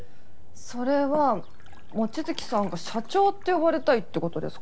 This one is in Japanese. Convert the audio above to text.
それは望月さんが「社長」って呼ばれたいって事ですか？